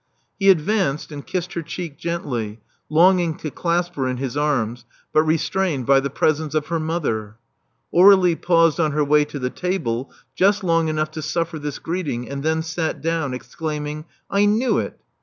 He advanced and kissed her cheek gently, longing to clasp her in his arms, but restrained by the presence of her mother. Aurflie paused on her way to the table just long enough to suffer this greeting, and then sat down, exclaiming: I knew it!